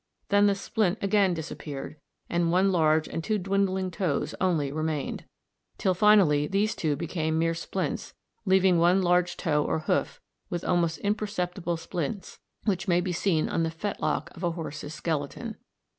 Then the splint again disappeared, and one large and two dwindling toes only remained, till finally these two became mere splints, leaving one large toe or hoof with almost imperceptible splints, which may be seen on the fetlock of a horse's skeleton.